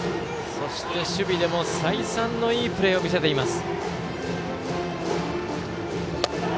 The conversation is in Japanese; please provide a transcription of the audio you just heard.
そして、守備でも再三のいいプレーを見せています。